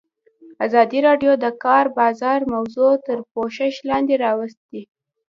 ازادي راډیو د د کار بازار موضوع تر پوښښ لاندې راوستې.